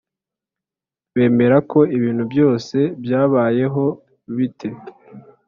bemera ko ibintu byose byabayeho bite?